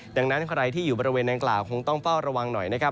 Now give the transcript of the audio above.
ดังนั้นใครที่อยู่บริเวณนางกล่าวคงต้องเฝ้าระวังหน่อยนะครับ